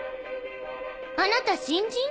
あなた新人？